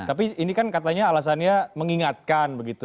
tapi ini kan katanya alasannya mengingatkan begitu